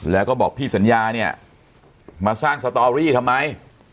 แล้วก็บอกพี่สัญญาเนี่ยมาสร้างสตอรี่ทำไม